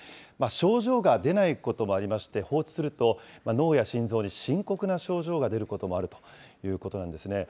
症状が出ないこともありまして、放置すると、脳や心臓に深刻な症状が出ることもあるということなんですね。